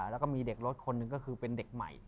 แล้วก็มีเด็กรถคนหนึ่งก็คือเป็นเด็กใหม่